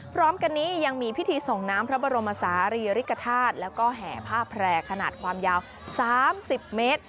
พร้อมกันนี้ยังมีพิธีส่งน้ำพระบรมศาลีริกฐาตุแล้วก็แห่ผ้าแพร่ขนาดความยาว๓๐เมตร